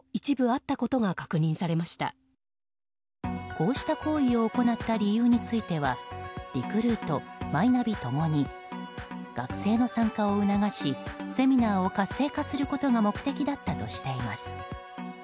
こうした行為を行った理由についてはリクルート、マイナビ共に学生の参加を促し、セミナーを活性化することが目的だったとしています。